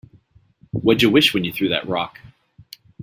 What'd you wish when you threw that rock?